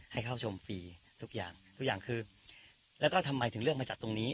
ให้เข้าชมฟรีทุกอย่างทุกอย่างคือแล้วก็ทำไมถึงเลือกมาจัดตรงนี้